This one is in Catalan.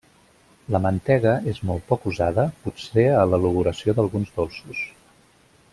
La mantega és molt poc usada, potser a l'elaboració d'alguns dolços.